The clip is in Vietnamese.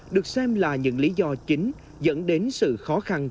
được xem là những lý do chính dẫn đến sự khó khăn